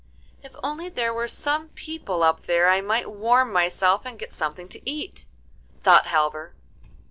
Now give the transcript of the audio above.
'If only there were some people up there I might warm myself and get something to eat,' thought Halvor.